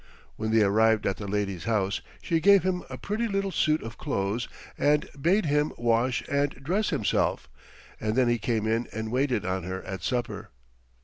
When they arrived at the lady's house she gave him a pretty little suit of clothes and bade him wash and dress himself, and then he came in and waited on her at supper.